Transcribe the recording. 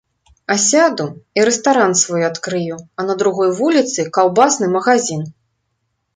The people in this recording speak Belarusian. Асяду і рэстаран свой адкрыю, а на другой вуліцы каўбасны магазін.